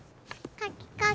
かきかき。